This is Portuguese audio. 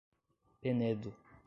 Penedo